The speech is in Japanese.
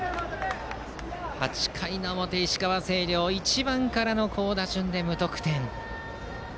８回表、石川・星稜１番からの好打順で無得点。